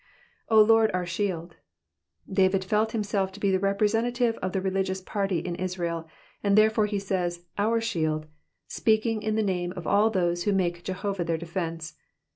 0 Lard, our shield.''* David felt himself to be the representative of the religious party in Israel, and therefore he says " owr shield,^^ speaking in the name of all those who make Jehovah their defence.